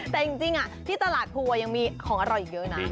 แต่จริงที่ตลาดภูวยังมีของอร่อยอีกเยอะนะ